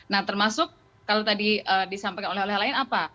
nah termasuk kalau tadi disampaikan oleh oleh lain apa